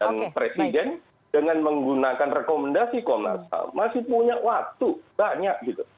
dan presiden dengan menggunakan rekomendasi komnasam masih punya waktu banyak gitu